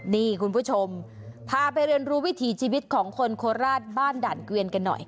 นี่คุณผู้ชมพาไปเรียนรู้วิถีชีวิตของคนโคราชบ้านด่านเกวียนกันหน่อย